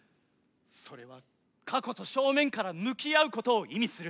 それは過去と正面から向き合うことを意味する。